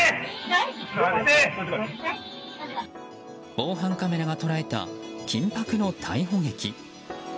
防犯カメラが捉えた緊迫の逮捕劇。